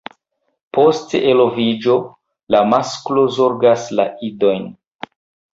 Post eloviĝo la masklo zorgas la idojn.